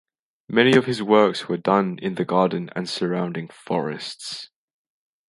Many of his works were done in the garden and surrounding forests.